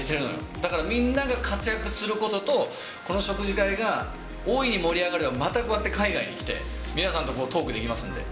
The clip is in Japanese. だからみんなが活躍することと、この食事会が大いに盛り上がれば、またこうやって海外に来て、皆さんとトークできますんで。